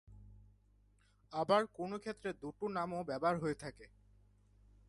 আবার কোনও ক্ষেত্রে দুটো নামও ব্যবহার হয়ে থাকে।